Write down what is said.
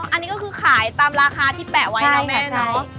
อันนี้ก็คือขายตามราคาที่แปะไว้นะแม่เนาะ